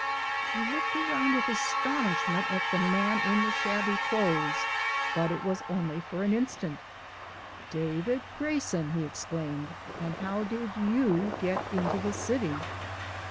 He looked around with astonishment at the man in the shabby clothes but it was only for an instant. "David Grayson!" he exclaimed, "and how did YOU get into the city?"